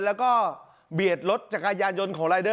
แล้วก็เบียดรถจักรยานยนต์ของรายเดอร์